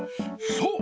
そう！